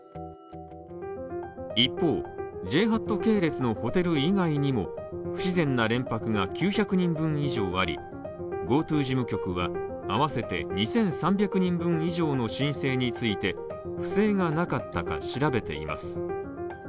一方、ＪＨＡＴ系列のホテル以外にも、不自然な連泊が９００人分以上あり、ＧｏＴｏ事務局は合わせて２３００人分以上の申請について不正がなかったか調べています。